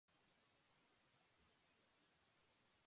Marc Valiente